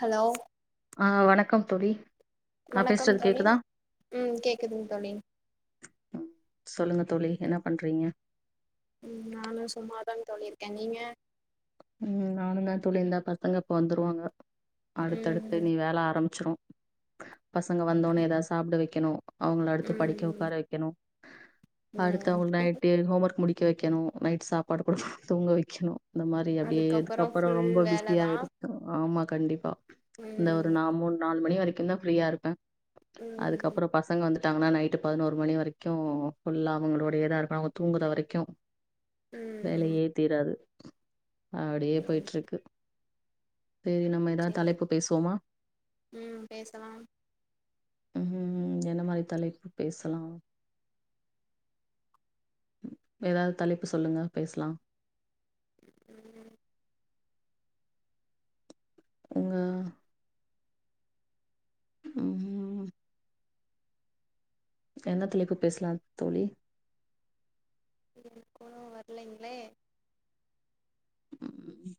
Hello ஆ வணக்கம் தோழி நா வணக்கம் பேசுறது தோழி கேக்குதா ம் கேக்குதுங் தோழி ம், சொல்லுங்க தோழி என்ன பண்றீங்க ம் நானு சும்மாதா தோழிருக்கே நீங்க ம் நானுந்தா தோழி இந்தா பசங்க இப்ப வந்துருவாங்க அடுத்தடுத்து ம் இனி வேல ஆரபிச்சிரு பசங்க வந்தோனே எதாது சாப்ட வெய்க்கணு அவங்கள அடுத்து படிக்க ம் உட்கார வைக்கணு அடுத்த ம் குட் நைட் அப்டியொ ஹோம் ஒர்க் முடிக்க வைக்கணு நைட் சாப்பாடு குடூத் தூங்க வைக்கணோ இந்த மாரி ஏ அதுக்கப்பறோ இதுக்கப்ரோ ஃபுல் ரொம்ப பிசியா வேலதா ஆயிடு ஆமா கண்டிப்பா இந்த ஒரு ம் நா மூண் நால் மணி வரிக்கு தா ஃப்ரியாருப்பே ம் அதுக்கப்றோ பசங்க வந்து த்தாங்கன்னா நைட்டு பதினோரு மணி வரைக்கு ஃபுல்லா அவங்களோடயேதா இருக்கனு அவங்க தூங்குற வரைக்கு ம் வேலையே தீராது அப்டியே ம் போய்ட்ருக்கு சேரின்னா ம் எதா செரி தலைப்பு பேசுவோமா ம் பேசலாம் ம் என்ன மாரி தலைப்பு பேசலா எதாவுது தலைப்பு சொல்லுங்க பேசலா ம் உங்க ம் என்ன தலைப்பு பேசலாந் தோழி [inaudible] வரலைங்ளே ம் ம்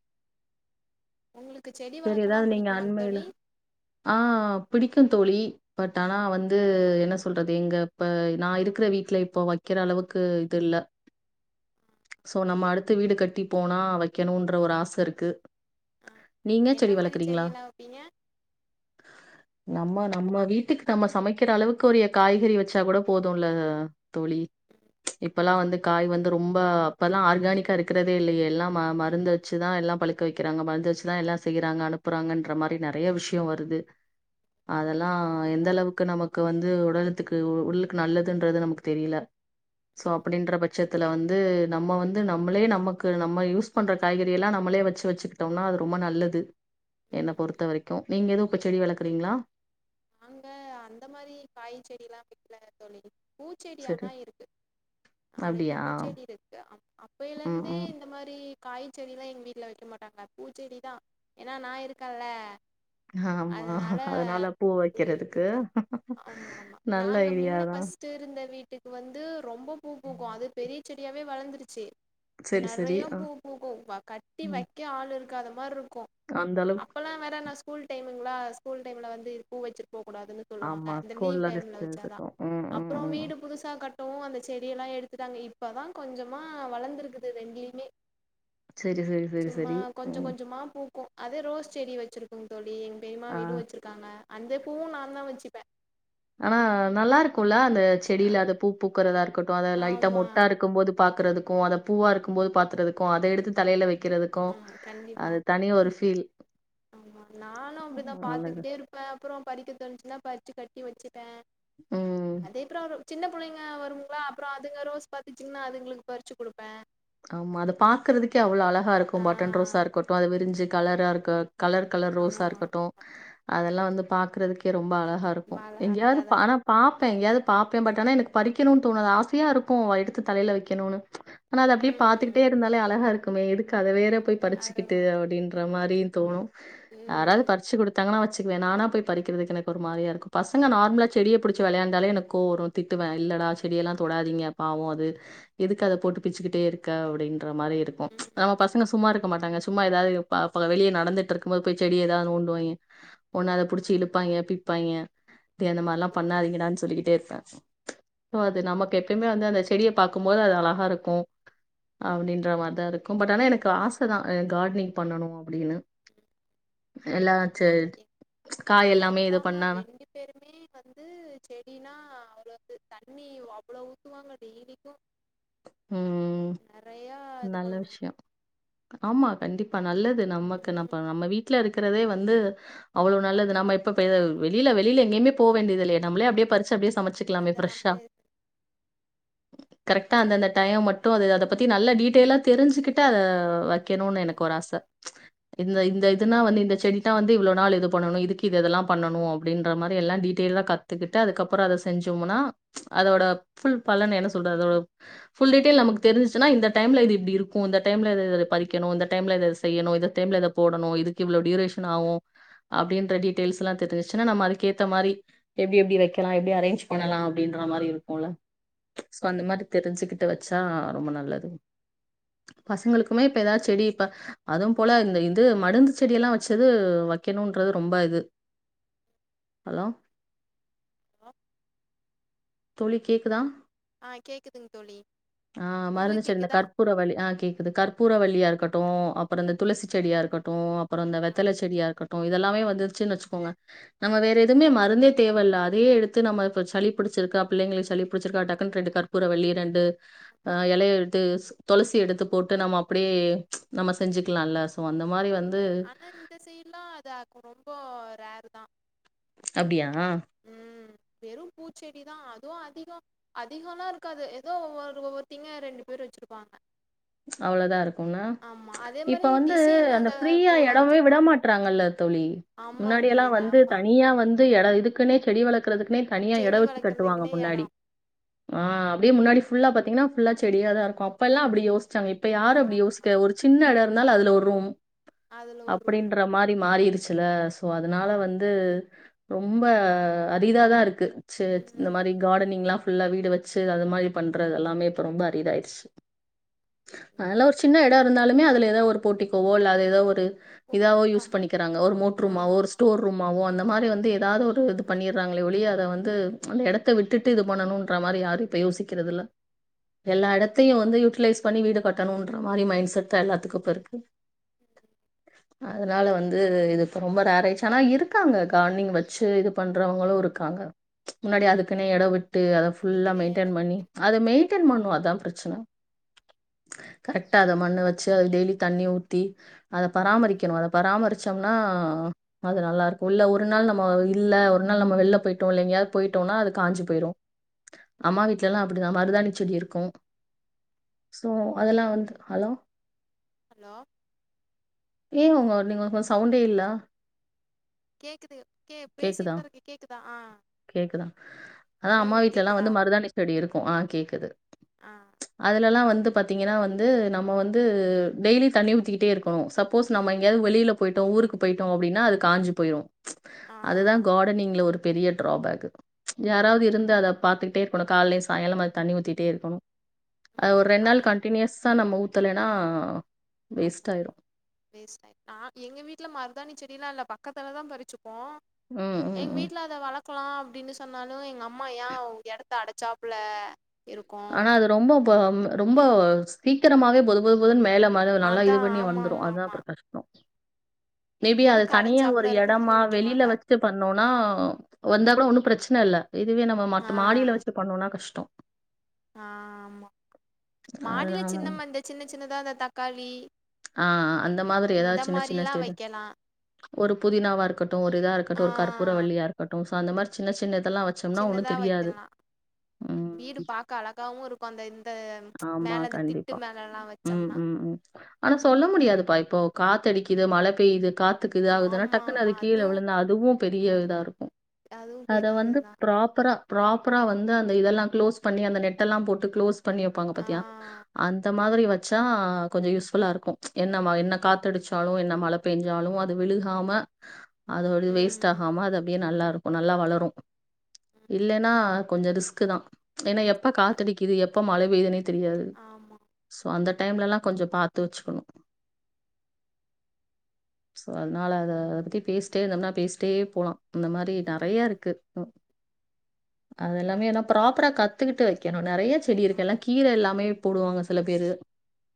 ஒங்களுக்கு செடி சேரி வளக்கலா எதாவது நீங்க புடிக்குமாங் அண்மையில தோழி ஆ பிடிக்கு தோழி பட் ஆனா வந்து என்ன சொல்றது இங்க இப்ப நா இருக்ற வீட்ல இப்போ வக்கிற அளவுக்கு இது இல்ல சோ நம்ம அடுத்து வீடு கட்டி போனா வக்கணுன்ற ஒரு ஆசருக்கு ஆ நீங்க செடி என்ன மாரி வளக்குறிங்களா செடியெல்லா வெப்பீங்க நம்ம நம்ம வீட்டுக்கு நம்ம சமைக்கிற அளவுக்கு ஒருய்ய காய்கறி வச்சா கூட போதூல்ல தோழி இப்பல்லா வந்து காய் வந்து ரொம்ப அப்பல்லா ஆர்கானிக்காருக்குறதே இல்லயே எல்லா மா மருந்து வெச்சுதா எல்லா பழுக்க வெக்கிறாங்க மருந்து வெச்சு ப்தா எல்லா செய்யிறாங்க அனுப்புறாங்கன்ற மாரி நெறய விஷ்யோ வருது அதெல்லா கண்டிப்பா எந்தளவுக் க்கு நமக்கு வந்து உடலத்துக்கு உள்ளுக்கு நல்லதுன்றது நமக்கு தெரியல சோ அப்படின்ற பட்சத் இதுல வந்து நம்ம வந்து நம்மளே நமக்கு நம்ம யூஸ் பண்ற காய்கறி எல்லா நம்மளே வெச்சு வெச்சுகிட்டோம்னா ரொம்ப நல்லது என்ன ம் பொறுத்த வரைக்கு நீங்க எது இப்ப செடி வளக்குறீங்களா நாங்க அந்த மாரி காய் செடிலா வைக்கல தோழி பூச்செடி சரி. ஆனா இருக்கு நாலஞ்சு அப்படியா? பூச்செடிருக்கு அப் ம், அப்பேய்லருந்தே ம். இந்த மாரி காய்ச்செடிலா எங்க வீட்ல வெக்க மாட்டாங்க பூச்செடிதா எனா நா இருக்க ல ஆமா. அதனால அதனால பூ வைக்கிறதுக்கு [inaudible] ஆமாமா நல்ல நாங்க ஐடியா மின்ன தான். பஸ் திருந்த வீட்டுக்கு வந்து ரொம்ப பூ பூக்கு அது பெரிய செடியாவே வளந்துருச்சு சரி, சரி. நெறைய ஆ. பூ பூக்கு வ கட்டி வைக்க ஆள் இருக்காத மாருக்கு அந்தளவுக் அப்பல்லா வேற நா ஸ்கூல் டைமுங்ளா ஸ்கூல் டைம்ல வந்து பூ வெச்சுட் போக்கூடாதுன்னு சொல்லுவாங்க ஆமா. இந்த லீவ் ஸ்கூல்ல டைம்ல ரெஸ்ட் வச்சாதா எடுத்துக்கும். ம், அப்புறோ ம், ம். வீடு புதுசா கட்டவு அந்த செடியெல்லா எடுத்துட்டாங்க இப்பதா கொஞ்சமா வளந்துருக்குது ரெண்லயுமே செரி செரி செரி செரி கொஞ்ச கொஞ்சமா பூக்கு அதே ரோஸ் செடி வச்சிருக்தோழி எங்க பொரியம்மா ஆ. வீடு வச்சிரு க்காங்க அந்த பூவும் நா தா வச்சுப்ப ஆனா நல்லா இருக்குல அந்த செடியில அது பூ பூக்குறதா இருக்கட்டு அத லைட்டா ஆமாம் மொட்டா இருக்கும் போது பாக்கறதுக்கு அத பூவா இருக்குபோது பாத்துறதுக்கு அத எடுத்து தலையில வைக்கிறது ஆமா கண்டிப்பா ஆமா நானு அப்படிதா நல்லது. பாத்துக்கிட்டே இருப் பா அப்றோ பறிக்க தோணுச்சுன்னா பறிச்சு கட்டி வச்சுப்பே ம். அதே ப்ராப்ளம் சின்ன பிள்ளைங்க வருங்களா அப்றோ அதுங்க ரோஸ் பாத்துச்சிங்கன்னா அதுங்களுக்கு பறிச்சு குடுப்பே ஆமா அத பாக்குறதுக்கே அவ்ளோ அழகா இருக்கு ஆ பட்டன் ரோஸா இருக்கட்டு அது விரிஞ்சு கலரா இருக்கு கலர் கலர் ஆமா ரோஸா இருக்கட்டு அதெல்லா வந்து பாக்கறதுக்கே ரொம்ப அழகாக இருக்கு ஆமா இருக்கு எங்கயாவது அழகாதா பானா பாப்பே எங்கயாவது பாப்பே பட் ஆனா எனக்கு பரிக்கன்னனு தோணாது ஆசையா இருக்கு எடுத்து தலையில வைக்கணும்னு ஆனா அது அப்டி இருந்தாலே அழகா இருக்குமே எதுக்கு அத வேற போய் அது பறிச்சுக்கிட்டு ம் அப்டின்ற மாதிரியு தோணு யாராவது பறிச்சு கொடுத்தாங்கன்னா வச்சுக்குவே நானா போய் பறிக்கிறதுக்கு எனக்கு ஒரு மாரியா இருக்கு பசங்க நார்மலா செடிய புடிச் விளையாண்டாலே எனக்கு கோவ வரும் ஒரு திட்டுவே இல்லடா செடியெல்லா தொடாதீங்க பாவோ அது எதுக்கு அத போட்டு பிச்சுக்கிட்டே இருக்க அப்டின்ற மாரி இருக்கு நம்ம பசங்க சும்மா இருக் க்க மாட்டாங்க சும்மா எதாவது பாப்பாங்க வெளியே நடந்துட்டு இருக்கும் போது போய் செடி ஏதாவது நேண்டுவாங்க ஒண்ணு அத புடிச்சு இழுப்பாங்க பிப்பாங்க டேய் அந்த மார்ல்லா பண்ணாதீங்கடான் சொல்லிக்கிட்டே இருப்பே ஓ அது நமக்கு எப்பைம்மே வந்து அந்த செடிய பாக்கும்போது அது அழகா இருக்கு அப்டின்ற மார்தா இருக்கும் பட் ஆனா எனக்கு ஆச தா கார்ட்னிங் பண்ணனு அப்படின்னு எல்லா செ எ காய் எல்லாமே இது பண்ணான பெருமே வந்து செடின்னா அவ்ளக்கு தண்ணி அவ்ளோ ஊத்துவாங்க டெய்லிக்கு ம் நெறையா இது நல்ல பண்ணுவாங்க விஷ்யோ ஆமா கண்டிப்பா நல்லது நமக்கு நம் ம் இப்ப நம்ம வீ ட்ல இருக்கிறதே வந்து அவ்ளோ நல்லது நம்ம இப்ப ஆமா வெளில்ல வெளில்ல எங்கேமே போ வேண்டிது இல்லையே நம்மளே அப்படியே பறுச்சு அப்டியே சமச்சுக்கலாமே அத ஃபிரஷ்ஷா நம்மளே கரெக்டா அந்த அந்த டைம் மட்டு அது அத பத்தி நல்லா டீட்டெயலா தெரிஞ்சுக்கிட்ட அத வைக்கணுன் எனக் இது ஒரு ஆச இந்த இந்த இதுனா வந்து இந்த செடி தா வந்து இவ்வளோ நாள் இது பண்ணனு இதுக்கு இது இததல்லா பண்ணனு அப்படின்ற மாரி எல்லா டீடையயா கத் த்துக்கிட்டு அதுக்கு அப்புற அத செஞ்சோம்னா அதோட ஃபுல் பலன் என்ன சொல்றது அதோட ஃபுல் டீட்டியல் நமக்கு தெரிஞ்சுச்சுன்னா இந்த டைம்ல இது இப்படி இருக்கு இந்த டைம்ல இது இது இது பறிக்கணு இந்த டைம்ல இது இது செய்யணு இந்த டைம்ல இத போடணு இதுக் இவ்வளோ டியூரேஷன் ஆவு அப்டின்ற டீட்டெய்ல்ஸ் எல்லா தெ தெரிஞ்ச்சுன்னா நம்ம அதுக்கு ஏத்த மாரி எப்டி எப்டி வெக்கலா எப்டி அரேஞ்ச் பண்ணலா அப்படின்ற மாரி இருக்குல்ல சோ அந்த மாரி தெரிஞ்சுக்கிட்டு வச்சா ரொம்ப நல்லது பசங்களுக்குமே இப்ப எதாவ் செடி இப்ப அதுவும் போல இந்த இது மடுந்து செடிய எல்லா வச்சது வைக்கணுன்றது ரொம்ப இது ஹலோ ஆ தோழி கேக்குதா ஆ கேக்குதுங் தோழி உங்களுக் கேக்குதா பூர வள்ளி ஆ கேக்குது கற்பூர வள்ளியா இருக்கட்டு அப்புற இந்த துளசி செடியா இருக்கட்டு அப்புற இந்த ஆ வெத்தல செடியா இருக்கட் டு இதெல்லாமே வந்துருச்சு வச்சுக்கோங்க நம்ம வேற எதும்மே மருந்தே தேவ இல்ல அதையே எடுத்து நம்ம இப்ப சளிப்பிடிச் சுருக்கா பிள்ளைங்களுக் சளி புடிச்சிருக்கா டக்குன் ரெண்டு கற்பூர வள்ளி ரெண்டு் ஆமா ஆமா இலைய எடு த்து துளசி எடுத்து போட்டு நம்ம அப்டியே நம்ம செஞ்சுக்கலால சோ அந்த மாரி வந் ஆனா இந்த சைடுல்லா அது ரொம்போ ரேருதா அப்டியா வெறு பூச்செடி தா அதுவு அதிகோ அதிகோலா இருக்காது எதோ ஒவ்வொரு ஒவ்வொருத்திங்க ரெண்டு பேரு வச்சிருப்பாங்க அவ்ளோதா இருக்கு என்ன ஆமா அதே இப்ப மாரி வந்து டிசைன் அந்த ஃப்ரீயா பூலா எடமே வச்சிருப்பாங்க விடமாட்றாங்கல்ல தோழி ஆமாங் முன்னாடியெல்லா தோழி வந்து ஆமா தனியா வந்து எட இதுக்குன்னே செடி வளர்க்குறதுக் னே தனியா எட செடி வச்சு கட்டுவாங்க வளக்கறதுக்குன்னே எடோ முன்னாடி ஆ அப்டியே முன்னாடி ஃபுல்லா பாத்தீங்கன்னா ஃபுல்லா செடியாதா இருக்கு அப்பல்லா அப்டி யோசிச்சாங்க இப்ப யாரு ஆ அப்டி யோசி க ஒரு சின்ன எட இருந்தாலு அதுல ஒரு ரூம் அதுல ஒரு ரூமு அப்டின்ற மாரி மாறிருச்சுல சோ அதனால வந்து ரொம்ப அதிதா தா இருக்கு ச இந்த மாரி ம் கார்டன் நீங்கலா ஃபுல்லா வீடு வச்சு அது மாரி பண்றது எல்லாமே இப்ப ரொம்ப அரிதாயிருச்சு அதனால கண்டிப்பா ஒரு சின்ன எட இருந்தாலுமே அதுல எதோ ஒரு போட்டிக்கோவோ அல்ல அது எதோ ஒரு ஓ இதாவோ யூஸ் ஆமா பண்ணிக்கிறாங்க ஒரு மோட் ரூம்மாவோ ஒரு ஆமாமா ஸ்டோர் ரூம்மாவோ அந்த மாரி வந்து தாது ஒரு இது ம் பண்ணிறாங்களே ஒழிய அர வந்து அந்த எடத்த விட்டுட்டு இது பண்ணணுன்ற மாரி யாரும் இப்ப யோசிக்கிறது இல்ல எல்லா எடத்தையு வந்து யூட்டிலைஸ் பண்ணி வீடு கட்டணுன்ற மாரி மைண் செட் தா எல்லாத்துக்கு இப்ப இருக்கு ம் ம் அதுனால வந்து இது இப்ப ரொம்ப நேர் ஆயிச்சு ஆனா இருக்காங்க கார்னிங் வச்சு இது பண்றவங்களு இருக்காங்க முன்னாடி அதுக்குன்னே எட விட்டு அத ஃபுல்லா அதுக்குன்னே எடோ மெயிடென் பண்ணி விட்டு அத மெயிடேன் பண்ணு அதா ப்ரச்சன கரெக்டா அத மண்ண வச்சு அது டெய்லி தண்ணிய ஊத்தி அத பராமரிக்கணு அத பராமரிச்சோம்னா நல்ல அது நல்லாருக்கூ இல்ல ஒரு நாள் நம்ம இல்ல ஒரு நாள் நம்ம வெள்ல போயிட்டோ இல்ல எங்கயாது போயிட்டோனா அது காஞ்சி போய்ரூ அம்மா வீட்லலா அப்புடிதா மருதாணி செடி இருக்கூ சோ அதெல்லா வந்து ஹலோ ஹலோ ஏ உங்க நீங்க உங்க சவுண்டே இல்ல கேக்குது கே கேக்குதா பேசிட்டுதா இருக்கே கேக்குதா ஆ கேக்குதா அதா அம்மா உங்களுக்கு வீட்லலா கேக்குதா வந்து மருதாணி செடி இருக்கூ ஆ கேக்குது ஆ கெல்லா வந்து பாத்தீங்கன்னா வந்து நம்ம வந்து டெய்லி தண்ணி ஊத்திக்கிட்டே இருக்கணு சப்போஸ் நம்ம எங்கயாது வெளியில போய்ட்டோ ஊருக்கு போயிட்டோ அப்டினா அது காஞ்சு போய்ரு ஆ அதுதா ஆ காடனிங்ல ஒரு பெரிய டிராபேகு யாராவது இருந்து அத பாத்துக்கிட்டே இருக்கணு கால்லயு சாயங்காலமு அது தண்ணி ஊத்திட்டே இருக்கணு அது ஒரு ரெண் நாள் கண்டினியூஸா நம்ம ஊத்தலேனா ஆமாமா வேஸ்டாய்ட் ஆ எங்க வீட்ல மருதாணி செடிலா இல்ல பக்கத்துலதா பறிச்சுப்போ ம், ம், எங் ம். வீட்ல த வளக்கலா அப்டின்னு சொன்னாலு எங்க அம்மா ஏ எடத்த அடைச்சாப்ல ஆனா அது ரொம்ப பம் ரொம்ப சீக்கரமாவே பொது பொது பொதுன் மேல வலு நல்லா இது அதான் பண்ணி ஆமாம் வந்துரு ஆமாம் அதா அப்பறோ ஆமாம் கஷ்டோ மேபி அத எதுக்கு தனியா ஒரு அடைச்சாப்புல எடமா இருக்கிறதுன்னு வெளில விட்டுருவாங்க வச் சு பண்ணோனா வந்தா கூட ஒன்னு பிரச்சன இல்ல இதுவே நம்ம ஆ மத்த மாடில வஸ்டு பண்ணோனா கஷ்டோ ஆ ஆமா மாடில அதனால சின்னமா இந்த சின்ன சின்னதா இந்த தக்காளி ஆ ஆ அந்த மாதிரி ஏதா இந்த சின்ன சின்ன மாதிரிலாம் ஸ்டேடு வைக்கலாம் ஒரு புதினாவா இருக்கட்டு ஒரு இதா ஆ இருக்கட்டு ஒரு கற்பூர வள்ளியா இருக்கட்டு சோ அந்த மாரி சின்ன சின்ன இதெல்லா வச்சோம்னா ஒன்னு சின்னதா தெரியாது வைக்கலா ம் வீடு பாக்க அழகாவு இருக்கொ அந்த இந்த ஆமா மேல இது திட்டு கண்டிப்பா மேலலா வ ம் ச்சம்னா ம் ம் அது சொல்ல முடியாதுபா இப்போ காத்து அடிக்குது மழ பெய்யிது காத்துக்கு இது ஆகுதுன்னா ஆமாம் டக்குனு அது ஆமாம் கீழ அதுவும் விழுந்து அ துவு பெரிய இதா இருக்கூ அதுவும் அத பெரிய வந்து இதுதான் ப்ராப்பரா ப்ராப்பரா வந்து அந்த இதெல்லா க்ளோஸ் பண்ணி அந்த நெட்டெல்லா போட்டு க்ளோஸ் பண்ணி வைப்பாங்க பாத்தியா ஆ அந்த மாதிரி வச்சா கொஞ்சோ யூஸ் ஃபுல்லா இருக்கூ என்ன மா என்ன காத்து அடிச்சாலு என்ன மழ பேஞ்சாலு அது விழுகாம அது ஒடி வேஸ்ட் ம். ஆகாம அது அப்டியே நல்லா இருக்கூ நல்லா வளரு இல்லன்னா கொஞ்சோ ரிஸ்குதா ஏனா ரிஸ் எப்ப அத் காத்தடிக்கிது எப்ப மழ பெய்துனே தெரியாது ஆமா. சோ அந்த டைம்லலா கொஞ்சோ பாத்து வச்சுக்கணு ஸோ அதுனால அத அத பத்தி பேசிட்டே இருந்தோனா பேசிட்டே போலா அந்த மாரி நெறையா ம். இருக்கு அதெல்லாமே ஏன்னா ப்ராப்பரா கத்துக்கிட்டு வைக்கணு நெறைய செடி இருக்கு ஆமா. எல்லா கீர எல்லாமே போடுவாங்க சில பேரு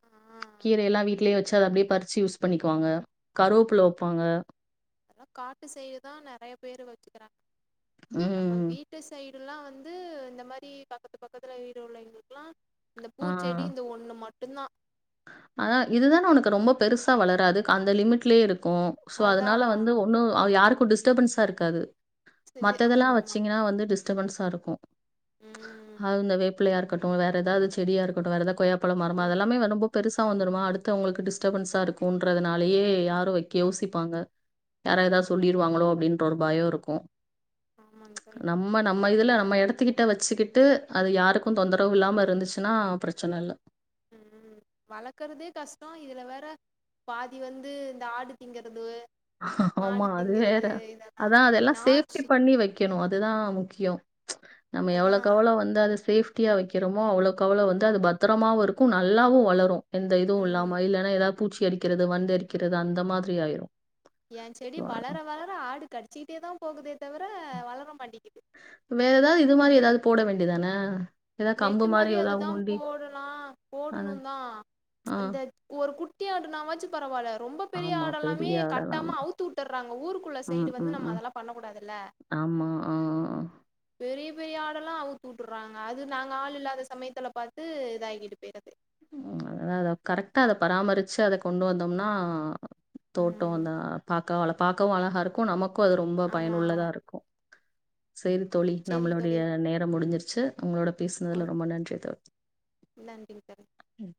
ஆ கீரை எல்லா வீட்லே வச்சு அப்டியே பரிச்சு யூஸ் பண்ணிக்குவாங்க கருவாப்புள்ள வைப்பாங்க அதல்லா காட்டு செய்யதா நெறைய பேரு வச்சுக்கிறாங்க ம் நம்ம வீட்டு சைடுல்லா வந்து இந்த மாரி பக்கத்து பக்கத்துல வீடு உள்ளவங்களுக்கெல்லா இந்த பூச்செடி இந்த ஒண்ணு மட்டுந்தா அதா இதுதான உனக்கு ரொம்ப பெருசா வளராது அந்த லிமிட்லேயே இருக்கு சோ அதனால அதான் வந்து இன்னு யாருக்கு டிஸ்டபன்ஸா இருக்காது செஞ்சு மத்ததுல்லா ஆமா, ஆமா. வச்சீங்கன்னா வந்து டிஸ்டபன்ஸா இருக்கு ம். அது இந்த வேப்பிலையா இருக்கட்டு வேற ஏதாது செடியா இருக்கட்டு வேற ஏதாது கொய்யாப்பழம் மரம் ம். அதெல்லாமே வரும்போ பெருசா வந்துடுமா அடுத்தவங்களுக்கு டிஸ்டபன்ஸா இருக்குக்குன்றதுனாலேயே யாரும் வைக்க யோசிப்பாங்க யாரா எதா சொல்லிருவாங்களோ அப்டின்ற ஒரு பயோ இருக்கு ஆமாங் தோழி நம்ம நம்ம இதில்ல நம்ம எடத்துக்கிட்ட வச்சுக்கிட்டு அது யாருக்கு தொந்தரவு இல்லாம இருந்துச்சுன்னா பிரச்சன இல்ல ம் வளர்க்குறதே கஷ்டோ இதுல வேற பாதி வந்து இந்த ஆடு திங்குறது ஆமா அது வேற அதா அதெல்லா சேஃப்டி நாச்சு பண்ணி வைக் வைக்கணு அதுதா முக்கியோ நம்ம எவ்ளோக் அதான். எவ்ளோ வந்து சேஃப் சேஃட்டியா வைக்கிறோமோ அவ்ளோக்கு அவ்ளோ வந்து அது பத்திரமாவு இருக்கு நல்லாவு வளரு எந்த இதுவு ம். இல்லாம இல்லன்னா ஏதாது பூச்சி அடிக்கிறது வண்டு அரிக்கிறது அந்த மாரி ஆயிரு என் செடி வளர வளர ஆடு கடிச்சிக்கிட்டே தா போகுதே தவிர வளர மாட்டிக்குது வேற ஏதாவது இது மாரி ஏதாது போட வேண்டியதான நெட்டு மாரி அதுதா போடலா அ போடணு தான் ஆ. அந்த ஒரு குட்டி‌ஆண்டு நா வச்சு பரவால்ல ரொம்ப பெரிய ஆமா. ஆட எல்லாமே பெரிய கட்டாம ஆடலாமா. அவுத்து வுட்டுறாங்க ஊருக்குள்ள ம், சைடு வந்து ம், நம்ம ம். அதெல்லா பண்ண கூடாதுல்ல ஆமா ஆ ஆ ஆ பெரிய பெரிய ஆடெல்லா அவுத்துட்றாங்க அது அது நாங்க ஆள் இல்லாத சமயத்துல பாத்து இதாங்கிட்டு போய்றது ம் அதா அத கரெக்டா அத பராமரிச்சு அத கொண்டு வந்தோம்னா தோட்டோ ம் அந்த பாக்க பார்க்கவு அழகா இருக்கு நமக்கு அது ரொம்ப ஆமா பயனுள்ளதா இருக்கு சேரி தோழி சரிங்க நம்மளுடைய தோழி நேரோ முடிஞ்சிருச்சு உங்களோட பேசுனதுல ரொம்ப நன்றி தோழி நன்றி தோழி ம்